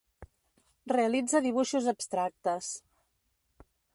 Realitza dibuixos abstractes.